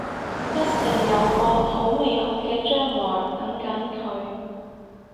一定有個好美好嘅將來等緊佢